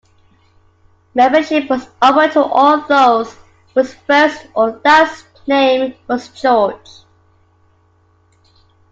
Membership was open to all those whose first or last name was George.